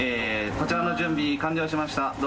こちらの準備完了しました。